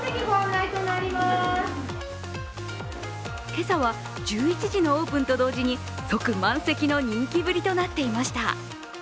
今朝は１１時のオープンと同時に即満席の人気ぶりとなっていました。